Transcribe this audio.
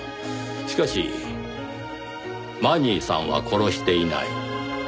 しかしマニーさんは殺していない。